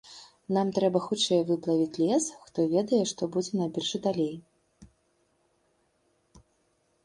Нам трэба хутчэй выплавіць лес, хто ведае, што будзе на біржы далей.